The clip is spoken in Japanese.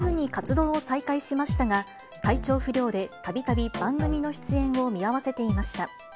すぐに活動を再開しましたが、体調不良でたびたび番組の出演を見合わせていました。